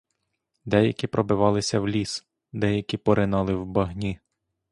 Деякі пробивалися в ліс, деякі поринали в багні.